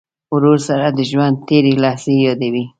ورور سره د ژوند تېرې لحظې یادوې.